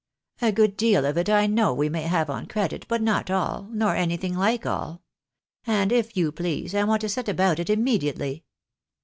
A good deal of it, I know, we may have on credit, but not all, nor anything like all. And, if you please, I want to set about it immediately."